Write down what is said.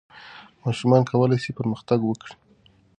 ماشومان کولای سي پرمختګ وکړي.